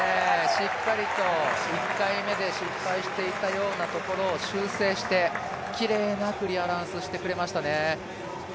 しっかりと１回目で失敗していたようなところを修正して、きれいなクリアランスをしてくれましたね。